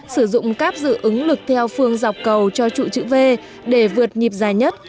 sử dụng cáp dự ứng lực theo phương dọc cầu cho trụ chữ v để vượt nhịp dài nhất